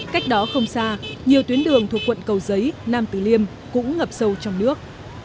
cách đó không xa nhiều tuyến đường thuộc quận cầu giấy nam tử liêm cũng ngập sâu trong nước